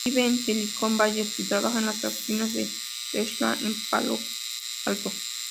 Vive en Silicon Valley y trabaja en las oficinas de Tesla en Palo Alto.